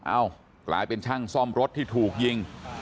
เอ้ากลายเป็นช่างซ่อมรถที่ถูกยิง